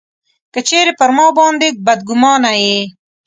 که چېرې پر ما باندي بدګومانه یې.